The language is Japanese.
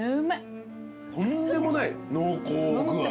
とんでもない濃厚具合。